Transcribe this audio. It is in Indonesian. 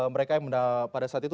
mereka pada saat itu